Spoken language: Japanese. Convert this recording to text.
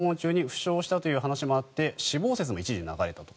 ウクライナ訪問中に負傷したという話もあって死亡説も一時流れたと。